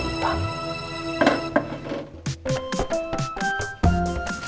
ibu aku mau beli motor